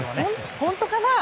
本当かな？